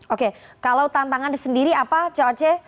oke kalau tantangan sendiri apa coace